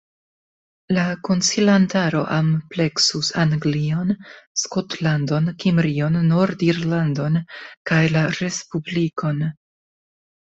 La konsilantaro ampleksus Anglion, Skotlandon, Kimrion, Nord-Irlandon kaj la Respublikon.